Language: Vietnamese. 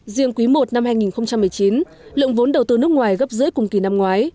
riêng quý i năm hai nghìn một mươi chín lượng vốn đầu tư nước ngoài gấp rưỡi cùng kỳ năm ngoái